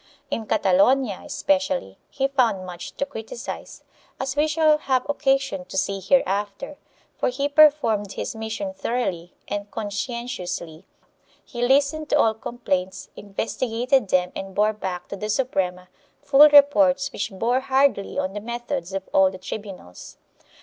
3 In Cata lonia, especially, he found much to criticize, as we shall have occasion to see hereafter, for he performed his mission thor oughly and conscientiously; he listened to all complaints, investi gated them and bore back to the Suprema full reports which bore hardly on the methods of all the tribunals.